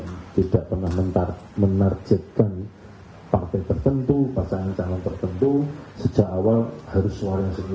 kepala kpu hasim asyari memastikan hasil rekapitulasi suara berdasarkan penghitungan suara berjenjang dari tps